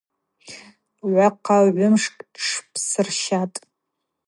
Гӏвахъа-гӏвымш тшпсырщатӏ.